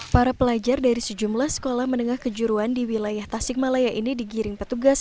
para pelajar dari sejumlah sekolah menengah kejuruan di wilayah tasikmalaya ini digiring petugas